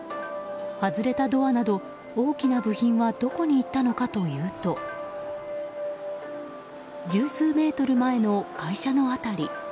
外れたドアなど大きな部品はどこにいったのかというと十数メートル前の会社の辺り。